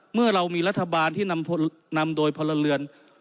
เมื่อเรามีรัฐบาลที่นำโดยพลเรือน